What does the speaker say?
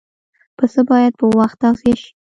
پسه باید په وخت تغذیه شي.